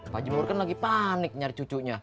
pak haji mur kan lagi panik nyari cucunya